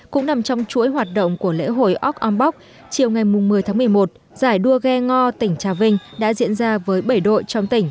cũng nằm trong chuỗi hoạt động của lễ hội org om bóc chiều ngày một mươi tháng một mươi một giải đua ghe ngò tỉnh trà vinh đã diễn ra với bảy đội trong tỉnh